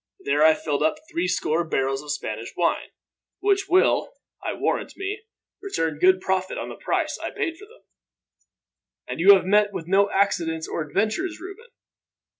There I filled up with three score barrels of Spanish wine, which will, I warrant me, return good profit on the price I paid for them." "And you have met with no accidents or adventures, Reuben?"